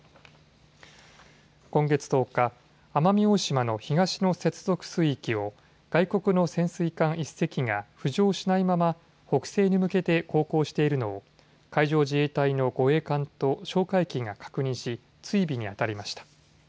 今月１０日、奄美大島の東の接続水域を外国の潜水艦１隻が浮上しないまま北西に向けて航行しているのを海上自衛隊の護衛艦と哨戒機が確認し、追尾にあたりました。